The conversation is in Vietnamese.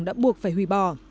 đã buộc phải hủy bò